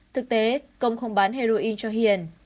thực tế công không bán heroin cho hiền